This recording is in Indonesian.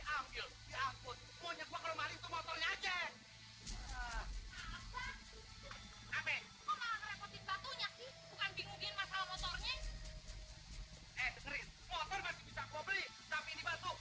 hai si punya duit banyak terus bisa colong ih